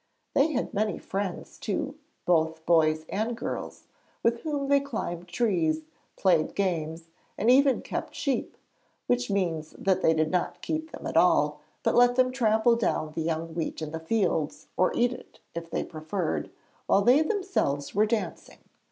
They had many friends too, both boys and girls, with whom they climbed trees, played games, and even kept sheep, which means that they did not keep them at all, but let them trample down the young wheat in the fields or eat it, if they preferred, while they themselves were dancing.